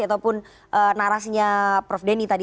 ataupun narasinya prof denny tadi